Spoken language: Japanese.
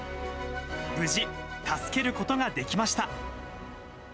無事、助けることができました。